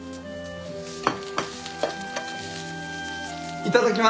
いただきます！